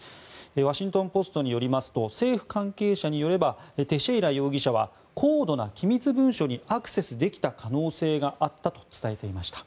ワシントン・ポストによりますと政府関係者によればテシェイラ容疑者は高度な機密文書にアクセスできた可能性があったと伝えていました。